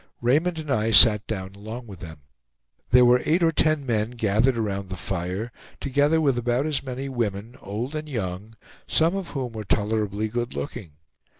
Raymond and I sat down along with them. There were eight or ten men gathered around the fire, together with about as many women, old and young, some of whom were tolerably good looking.